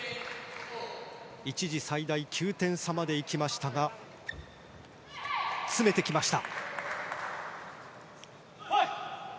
一時最大９点差までいきましたが詰めてきました。